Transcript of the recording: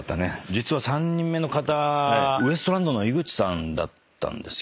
実は３人目の方ウエストランドの井口さんだったんですよ。